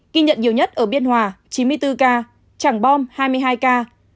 ghi nhận nhiều nhất ở biên hòa chín mươi bốn ca trảng bom hai mươi hai ca